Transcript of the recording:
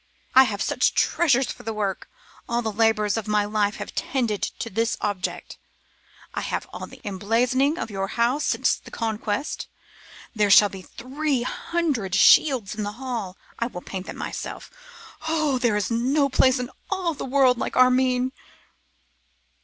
I have such treasures for the work. All the labours of my life have tended to this object. I have all the emblazonings of your house since the Conquest. There shall be three hundred shields in the hall. I will paint them myself. Oh! there is no place in the world like Armine!